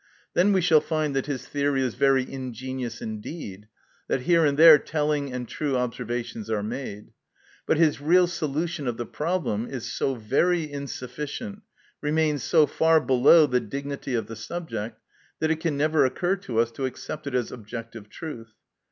Then we shall find that his theory is very ingenious indeed, that here and there telling and true observations are made; but his real solution of the problem is so very insufficient, remains so far below the dignity of the subject, that it can never occur to us to accept it as objective truth.